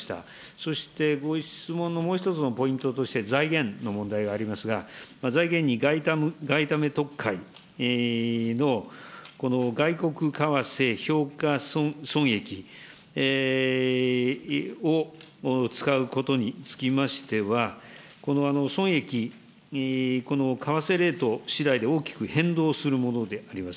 そして、ご質問のもう一つのポイントとして、財源の問題がありますが、財源に外為特会のこの外国為替評価損益を使うことにつきましては、この損益、この為替レートしだいで大きく変動するものであります。